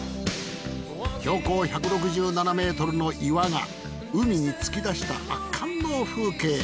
標高１６７ｍの岩が海に突き出した圧巻の風景。